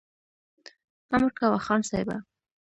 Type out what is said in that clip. امر کوه خان صاحبه !